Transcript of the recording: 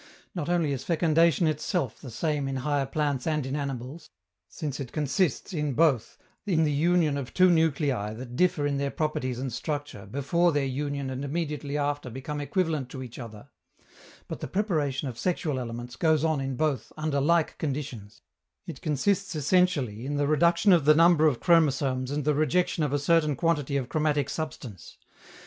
Not only is fecundation itself the same in higher plants and in animals, since it consists, in both, in the union of two nuclei that differ in their properties and structure before their union and immediately after become equivalent to each other; but the preparation of sexual elements goes on in both under like conditions: it consists essentially in the reduction of the number of chromosomes and the rejection of a certain quantity of chromatic substance.